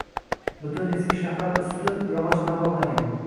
Butun eski shahar usti yog‘och bilan qoplangan.